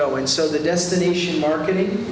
jadi pemasaran destinasi sangat penting